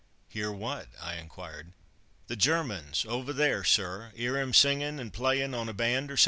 "Hear what?" I inquired. "The Germans over there, sir; 'ear 'em singin' and playin' on a band or somethin'."